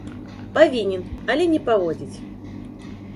Павінен, але не паводзіць.